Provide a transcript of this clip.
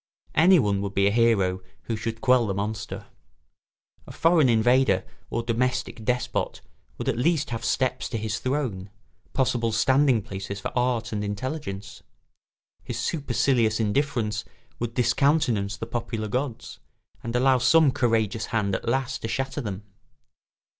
Anyone would be a hero who should quell the monster. A foreign invader or domestic despot would at least have steps to his throne, possible standing places for art and intelligence; his supercilious indifference would discountenance the popular gods, and allow some courageous hand at last to shatter them.